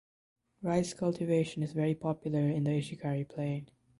Rice cultivation is very popular in the Ishikari Plain.